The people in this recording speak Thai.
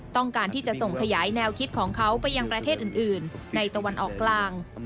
ต้องการที่จะส่งขยายแนวคิดของเขาไปยังประเทศอื่นในตะวันออกกลาง